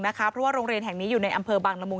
เพราะว่าโรงเรียนแห่งนี้อยู่ในอำเภอบางละมุง